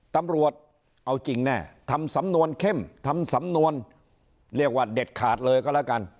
ตำรวจเอาจริงแน่ทำสำนวนเข้มทำสำนวนเรียกว่าเด็ดขาดเลยก็แล้วกัน